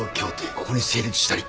ここに成立したり！